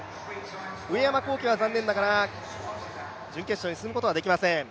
上山紘輝は残念ながら準決勝に進むことはできません。